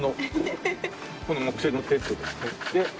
この木製のテントですね。